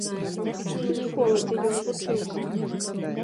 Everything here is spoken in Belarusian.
І школа, дзе ён вучыўся.